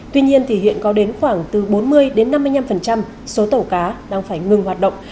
tuy nhiên hiện có đến khoảng bốn mươi năm mươi năm số tàu cá đang phải ngừng hoạt động